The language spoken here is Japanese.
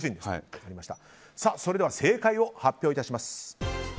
それでは正解を発表致します。